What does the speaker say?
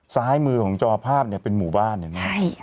ซ้ายมือของจอภาพเนี่ยเป็นหมู่บ้านอย่างนี้